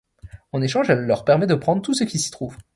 En échange, elle leur permet de prendre tout ce que s'y trouve.